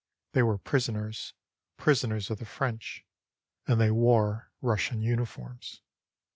They were prisoners, prisoners of the French, and they wore Russian uni forms.